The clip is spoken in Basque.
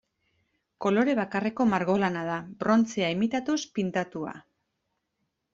Kolore bakarreko margolana da, brontzea imitatuz pintatua.